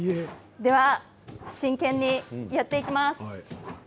では、真剣にやっていきます。